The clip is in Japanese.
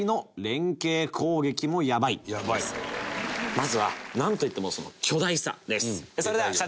まずはなんといってもその巨大さです。